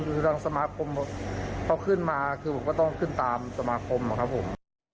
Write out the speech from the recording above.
คือทางสมาคมเขาขึ้นมาคือผมก็ต้องขึ้นตามสมาคมนะครับผม